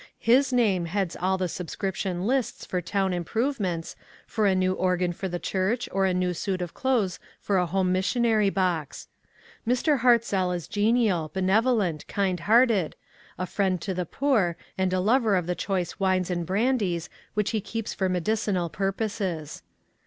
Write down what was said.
His name heads all the subscription lists THE PAST AND THE PRESENT. I// for town improvements, for a new organ for the church, or a new suit of clothes for a home missionary box. Mr. Hartzell is genial, benevolent, kind hearted, a friend to the poor, and a lover of the choice wines and bran dies which he keeps for medicinal purposes.